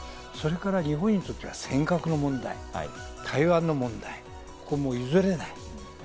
それから日本にとっては尖閣の問題、台湾の問題、譲れない。